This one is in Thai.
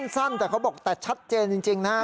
สั้นแต่เขาบอกแต่ชัดเจนจริงนะ